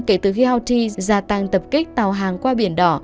kể từ khi houthi gia tăng tập kích tàu hàng qua biển đỏ